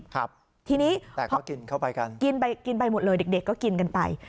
ครับแต่ก็กินเข้าไปกันกินไปหมดเลยเด็กก็กินกันไป